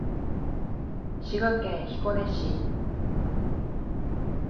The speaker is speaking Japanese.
滋賀県彦根市